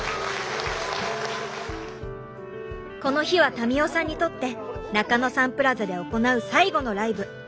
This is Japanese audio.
この日は民生さんにとって中野サンプラザで行う最後のライブ。